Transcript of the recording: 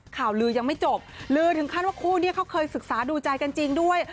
ข่าวลือยังไม่จบลือถึงขั้นว่าคู่นี้เขาเคยศึกษาดูใจกันจริงด้วย